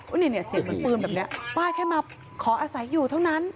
อุ้ยเนี่ยเสียงปืนแบบเนี้ยบ้านแค่มาขออาศัยอยู่เท่านั้น